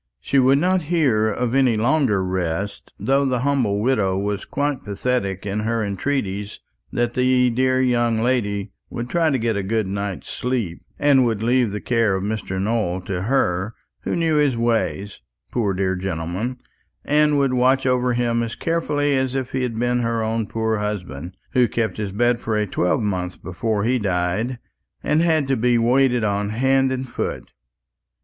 She would not hear of any longer rest though the humble widow was quite pathetic in her entreaties that the dear young lady would try to get a good night's sleep, and would leave the care of Mr. Nowell to her, who knew his ways, poor dear gentleman, and would watch over him as carefully as if he had been her own poor husband, who kept his bed for a twelvemonth before he died, and had to be waited on hand and foot.